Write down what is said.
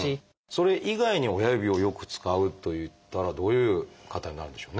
それ以外に親指をよく使うといったらどういう方になるんでしょうね。